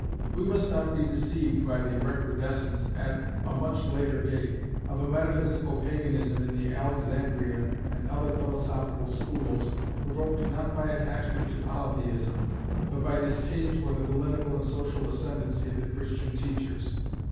We must not be deceived by the recrudescence, at a much later date, of a metaphysical Paganism in the Alexandrian and other philosophical schools, provoked not by attachment to Polytheism, but by distaste for the political and social ascendancy of the Christian teachers.